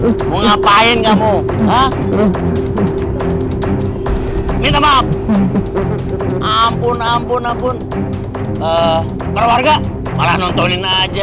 kece banget badai ngapain kamu minta maaf ampun ampun ampun keluarga malah nontonin aja